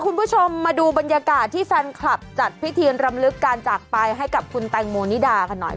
คุณผู้ชมมาดูบรรยากาศที่แฟนคลับจัดพิธีรำลึกการจากไปให้กับคุณแตงโมนิดากันหน่อย